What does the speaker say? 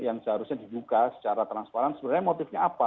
yang seharusnya dibuka secara transparan sebenarnya motifnya apa